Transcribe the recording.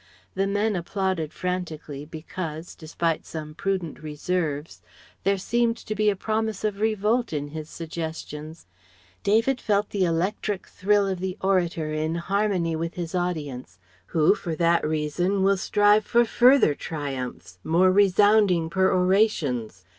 The men applauded frantically because, despite some prudent reserves, there seemed to be a promise of revolt in his suggestions. David felt the electric thrill of the orator in harmony with his audience; who for that reason will strive for further triumphs, more resounding perorations.